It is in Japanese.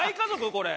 これ。